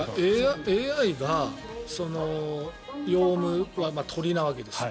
ＡＩがヨウムは鳥なわけです。